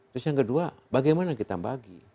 terus yang kedua bagaimana kita bagi